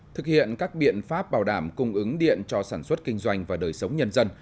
thực hiện các biện pháp bảo đảm cung ứng điện cho sản xuất kinh doanh và đời sống nhân dân